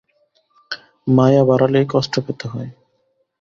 মায়া বাড়ালেই কষ্ট পেতে হয়।